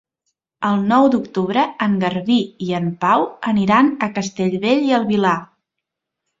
El nou d'octubre en Garbí i en Pau aniran a Castellbell i el Vilar.